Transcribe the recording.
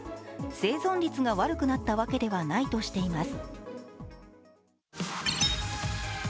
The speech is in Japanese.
生存率が悪くなったわけではないとしています。